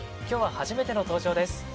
今日は初めての登場です。